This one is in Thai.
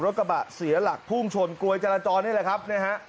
รถกระบะเสียหลักพุ่งชนกลวยจราจรนี่แหละครับนะฮะ